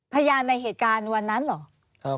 พยานในเหตุการณ์วันนั้นเหรอ